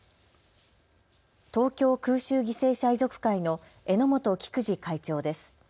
東京空襲犠牲者遺族会の榎本喜久治会長です。